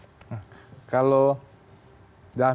kalau dalam milenial kita harus melihat dalam dua hal